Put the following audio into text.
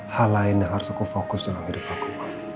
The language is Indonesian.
hal lain yang harus aku fokus dalam hidup aku